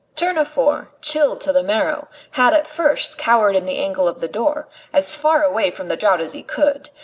Tournefort, chilled to the marrow, had at first cowered in the angle of the door, as far away from the draught as he could.